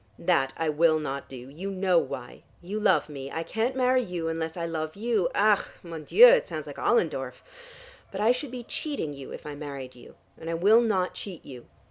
That I will not do. You know why. You love me. I can't marry you unless I love you. Ah, mon Dieu, it sounds like Ollendorf. But I should be cheating you if I married you, and I will not cheat you.